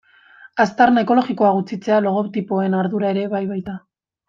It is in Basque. Aztarna ekologikoa gutxitzea logotipoen ardura ere bai baita.